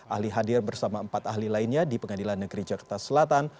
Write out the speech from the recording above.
ahli hadir bersama empat ahli lainnya di pengadilan negeri jakarta selatan